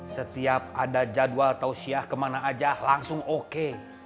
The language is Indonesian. setiap ada jadwal tausiah kemana aja langsung oke